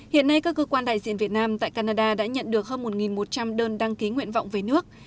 hiện nay các cơ quan đại diện việt nam tại canada đã nhận được hơn một một trăm linh đơn đăng ký nguyện vọng về nước